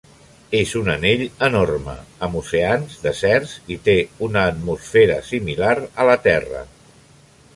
És un anell enorme, amb oceans, deserts, i té una atmosfera similar a la Terra.